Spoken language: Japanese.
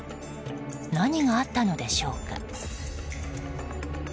何があったのでしょうか。